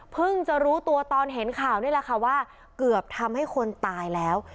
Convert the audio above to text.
จะรู้ตัวตอนเห็นข่าวนี่แหละค่ะว่าเกือบทำให้คนตายแล้ว